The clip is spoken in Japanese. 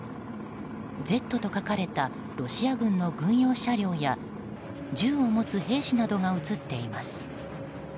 Ｚと書かれたロシア軍の軍用車両や銃を持つ兵士などが映っています。